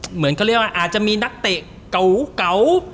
เหมือนเขาเรียกว่าอาจจะมีนักเตะเก่า